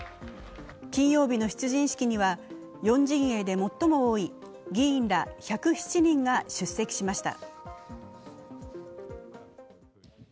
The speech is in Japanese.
金曜日の出陣式には４陣営で最も多い議員ら１０７人が出席しました。